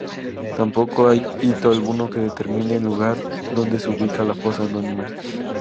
Tampoco hay hito alguno que determine el lugar donde se ubica la fosa anónima.